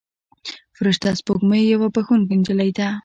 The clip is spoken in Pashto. فرشته سپوږمۍ یوه بښونکې نجلۍ ده.